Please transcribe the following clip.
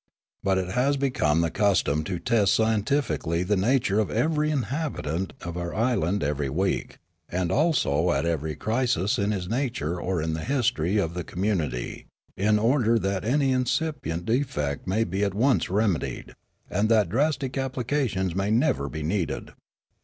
But it has become the custom to test scientifically the nature of every inhabitant of our island every week, and also at every crisis in his nature or in the history of the com munity, in order that any incipient defect may be at once remedied, and that drastic applications may never be needed.